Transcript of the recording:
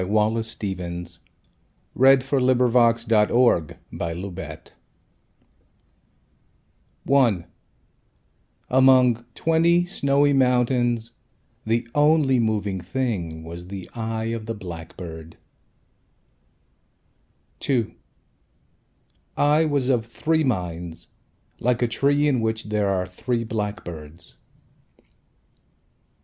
Wallace Stevens Thirteen Ways of Looking at a Blackbird I AMONG twenty snowy mountains The only moving thing Was the eye of the blackbird. II I was of three minds Like a tree In which there are three blackbirds.